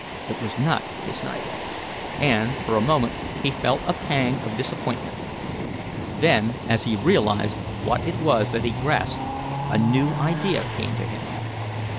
It was not his knife, and, for a moment he felt a pang of disappointment. Then, as he realized what it was that he had grasped, a new idea came to him.